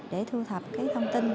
để thu thập thông tin